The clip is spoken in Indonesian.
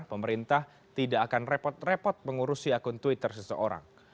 pemerintah tidak akan repot repot mengurusi akun twitter seseorang